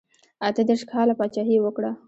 اته دېرش کاله پاچهي یې وکړه.